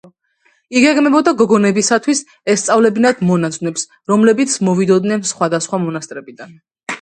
იგეგმებოდა გოგონებისათვის ესწავლებინათ მონაზვნებს, რომლებიც მოვიდოდნენ სხვადასხვა მონასტრებიდან.